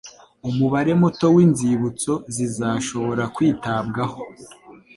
umubare muto w inzibutso zizashobora kwitabwaho